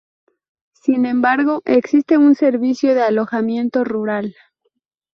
Sin embargo, existe un servicio de alojamiento rural.